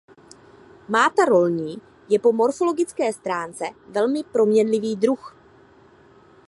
Máta rolní je po morfologické stránce velmi proměnlivý druh.